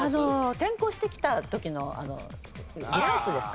転校してきた時のあのリハウスですか？